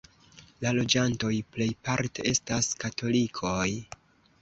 La loĝantoj plejparte estas katolikoj.